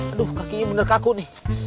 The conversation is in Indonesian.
aduh kakinya bener kaku nih